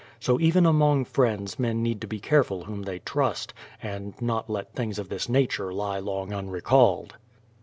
So even among friends men need to be careful whom they trust, and not let things of this nature lie long unrecalled.